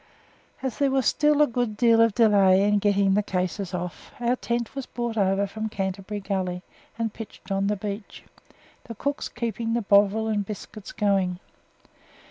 As there was still a good deal of delay in getting the cases off, our tent was brought over from Canterbury Gully and pitched on the beach; the cooks keeping the bovril and biscuits going.